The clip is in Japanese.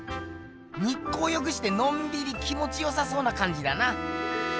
日光浴してのんびり気もちよさそうなかんじだな。